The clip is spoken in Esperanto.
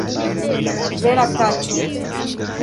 Vera kaĉo!